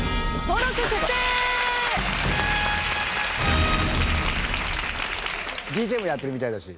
ＤＪもやってるみたいだし。